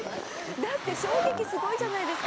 だって衝撃すごいじゃないですか。